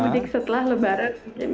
mudik setelah lebaran